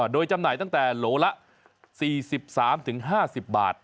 โดยจำหน่ายตั้งแต่โลละ๔๓๕๐บาท